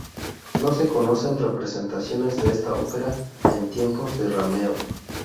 No se conocen representaciones de esta ópera en tiempos de Rameau.